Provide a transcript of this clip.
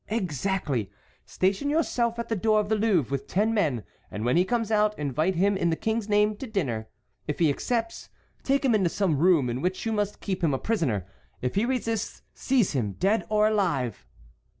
"Exactly. Station yourself at the door of the Louvre with ten men, and when he comes out invite him in the King's name to dinner. If he accepts, take him into some room in which you must keep him a prisoner. If he resists, seize him, dead or alive."